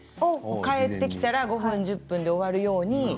帰ってきたら５分１０分で終わるように。